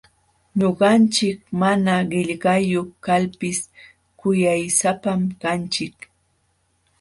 Ñuqanchik mana qillayniyuq kalpis kuyaysapam kanchik.